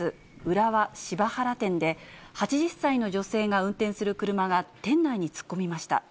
浦和芝原店で、８０歳の女性が運転する車が店内に突っ込みました。